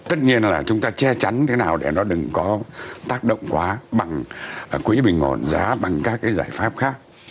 tất nhiên là chúng ta che chắn thế nào để nó đừng có tác động quá bằng quỹ bình ổn giá bằng các cái giải pháp khác